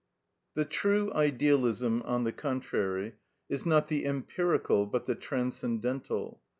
The true idealism, on the contrary, is not the empirical but the transcendental.